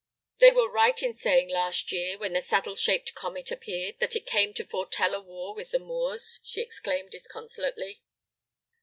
"They were right in saying last year, when the saddle shaped comet appeared, that it came to foretell a war with the Moors!" she exclaimed disconsolately.